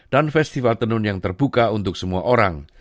dan festival tenun yang terbuka untuk semua orang